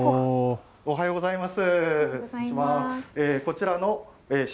おはようございます。